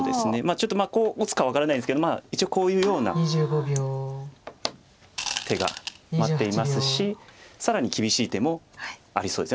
ちょっとこう打つか分からないんですけど一応こういうような手が待っていますし更に厳しい手もありそうです。